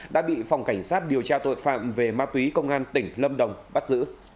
đã bị phòng cảnh sát điều tra tội phạm về ma túy công an tỉnh lâm đồng